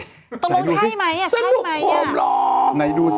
ตรงใช่ไหมในดูสิ